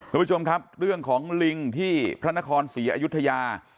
คุณผู้ชมครับเรื่องของลิงที่พระนครศรีอยุธยา